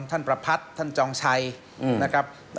ประพัทธ์ท่านจองชัยนะครับ